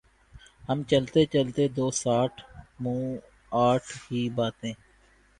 ہم چلتے چلتے دوسآٹھ منہ آٹھ ہی باتیں